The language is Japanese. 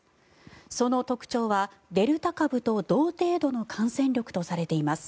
その特徴はデルタ株と同程度の感染力とされています。